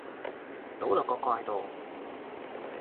倒落個蓋度